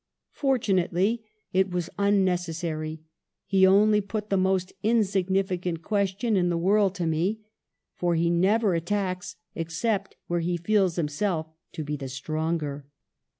For tunately, it was unnecessary; he only put the most insignificant question in the world to me, for ... he never attacks except where he feels himself to be the stronger."